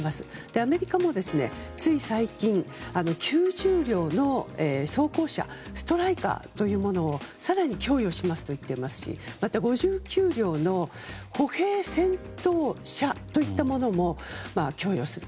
アメリカもつい最近９０両の装甲車ストライカーというものを更に供与しますと言っていますしまた、５９両の歩兵戦闘車といったものも供与すると。